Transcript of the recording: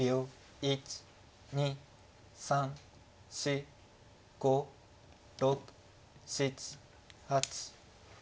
１２３４５６７８。